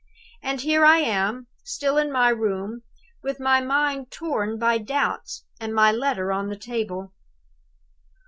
And here I am, still in my room, with my mind torn by doubts, and my letter on the table.